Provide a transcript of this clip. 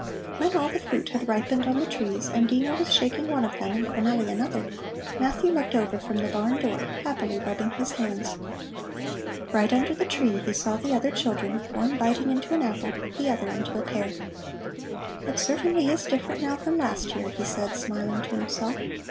When all the fruit had ripened on the trees and Dino was shaking one of them and Cornelli another, Matthew looked over from the barn door, happily rubbing his hands. Right under the tree he saw the other children, one biting into an apple, the other into a pear. "It certainly is different now from last year," he said, smiling to himself.